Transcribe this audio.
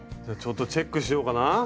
じゃあちょっとチェックしようかな。